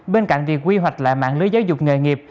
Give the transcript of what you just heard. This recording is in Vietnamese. bên cạnh việc quy hoạch lại mạng lưới giáo dục nghề nghiệp